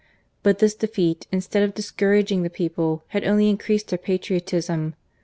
But this defeat, instead of discouraging the people, had only increased their patriotism.